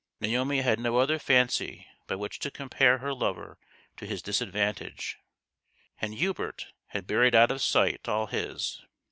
Naomi had had no other fancy by which to compare her lover to his disadvantage, and Hubert had buried out of sight all his.